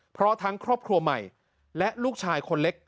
เพราะทั้งครอบครัวใหม่และลูกชายคนเล็ก